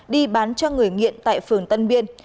đi bán cho người nghiện tại phường tân biên